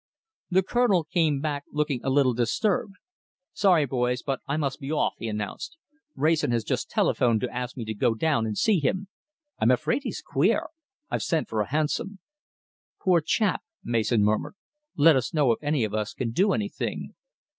The Colonel came back looking a little disturbed. "Sorry, boys, but I must be off," he announced. "Wrayson has just telephoned to ask me to go down and see him. I'm afraid he's queer! I've sent for a hansom." "Poor chap!" Mason murmured. "Let us know if any of us can do anything."